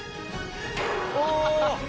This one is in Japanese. お！